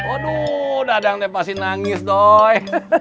aduh dadang teh pasti nangis doi